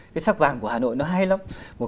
cái sắc vàng của hà nội nó hay lắm